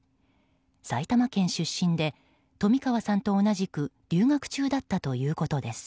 埼玉県出身で冨川さんと同じく留学中だったということです。